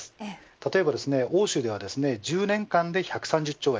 例えば欧州では１０年間で１３０兆円